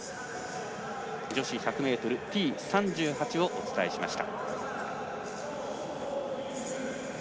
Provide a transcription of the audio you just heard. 女子１００ｍＴ３８をお伝えしました。